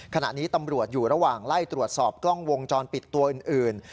ขณะนี้ตำรวจอยู่ระหว่างไล่ตรวจสอบกล้องวงจรปิดตัวอื่น